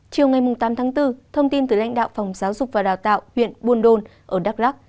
chiều ngày tám tháng bốn thông tin từ lãnh đạo phòng giáo dục và đào tạo huyện buôn đôn ở đắk lắc